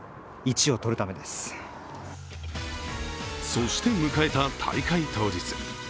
そして迎えた大会当日。